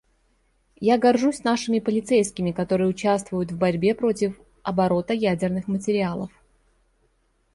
Я горжусь нашими полицейскими, которые участвуют в борьбе против оборота ядерных материалов.